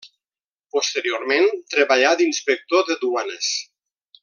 Posteriorment treballà d'inspector de duanes.